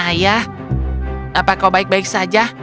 ayah apa kau baik baik saja